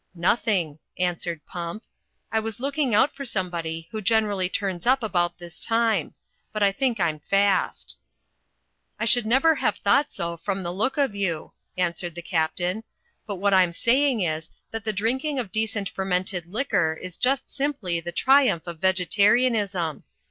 '^Nothing," answered Pump. "I was looking out for somebody who generally turns up about this time. But I think I'm fast." "I should never have thought so from the look of you," answered the Captain, "but what I'm saying is that the drinking of decent fermented liquor is just simply the triumph of vegetarianism.